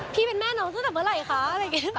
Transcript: พี่เป็นแม่น้องตั้งแต่เมื่อไหร่คะอะไรอย่างนี้